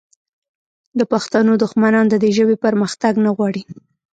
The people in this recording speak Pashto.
د پښتنو دښمنان د دې ژبې پرمختګ نه غواړي